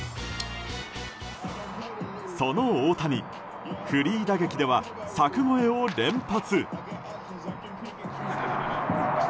その大谷フリー打撃では柵越えを連発。